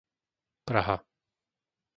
Praha